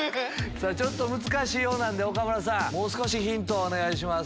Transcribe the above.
ちょっと難しいようなんで岡村さんヒントをお願いします。